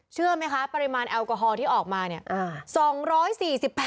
เชื่อไหมคะปริมาณแอลกอฮอล์ที่ออกมาเนี่ย